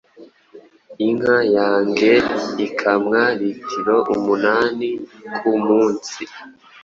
Inka yange ikamwa litiro umunani ku munsi.